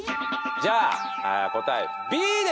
じゃあ答え。